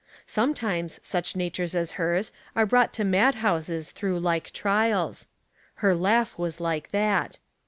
Sometimes such natures as Lers are brought to mad houses through like trials. Her laugh was like that.